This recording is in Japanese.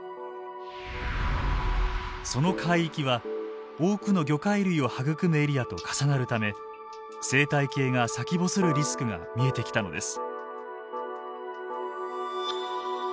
その海域は多くの魚介類を育むエリアと重なるため生態系が先細るリスクが見えてきたのです。